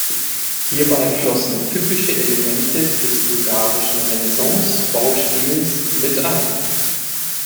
Hierbei flossen typische Elemente des bulgarischen Renaissance-Baustils mit ein.